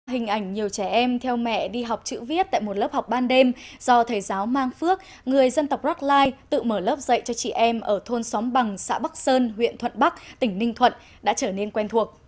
hình ảnh nhiều trẻ em theo mẹ đi học chữ viết tại một lớp học ban đêm do thầy giáo mang phước người dân tộc rackline tự mở lớp dạy cho chị em ở thôn xóm bằng xã bắc sơn huyện thuận bắc tỉnh ninh thuận đã trở nên quen thuộc